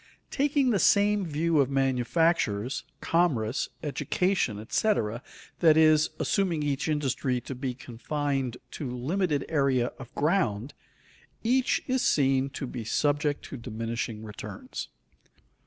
Taking the same view of manufactures, commerce, education, etc., that is, assuming each industry to be confined to limited area of ground, each is seen to be subject to diminishing returns.